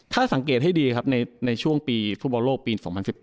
ถ้าสังเกตให้ดีครับในช่วงปีฟุตบอลโลกปี๒๐๑๘